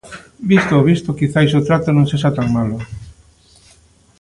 Visto o visto quizais o trato non sexa tan malo...